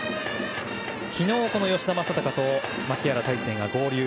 昨日吉田正尚と牧原大成が合流。